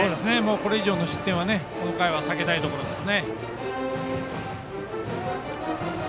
これ以上の失点はこの回は避けたいところです。